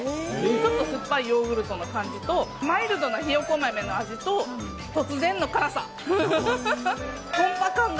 ちょっと酸っぱいヨーグルトの感じと、マイルドなひよこ豆の味と、突然の辛さ。